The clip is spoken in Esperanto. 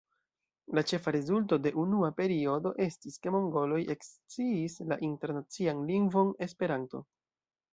La ĉefa rezulto de unua periodo estis, ke mongoloj eksciis la Internacian lingvon Esperanto.